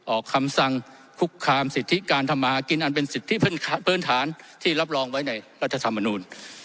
ออกคำสั่งคุกคามสิทธิการทำมากินอันเป็นสิทธิพื้นฐานที่รับรองไว้ในรัฐธรรมนูล